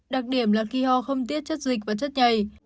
đặc điểm là khi ho không tiết chất dịch và chất nhầy